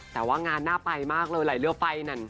แต่ว่างานน่าไปมากเลยไหลเรือไฟนั่น